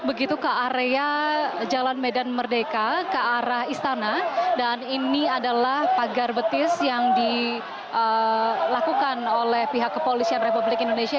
begitu ke area jalan medan merdeka ke arah istana dan ini adalah pagar betis yang dilakukan oleh pihak kepolisian republik indonesia